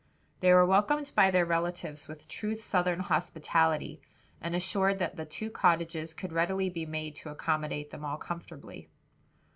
They were welcomed by their relatives with true southern hospitality and assured that the two cottages could readily be made to accommodate them all comfortably.